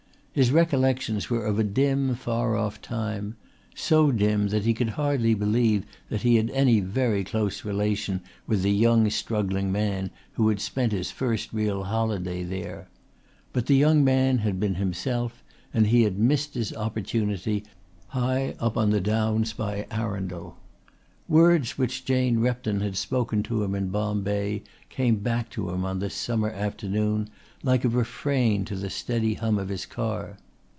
His recollections were of a dim far off time, so dim that he could hardly believe that he had any very close relation with the young struggling man who had spent his first real holiday there. But the young man had been himself and he had missed his opportunity high up on the downs by Arundel. Words which Jane Repton had spoken to him in Bombay came back to him on this summer afternoon like a refrain to the steady hum of his car.